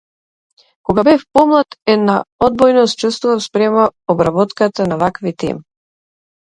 Кога бев помлад една одбојност чувствував спрема обработката на вакви теми.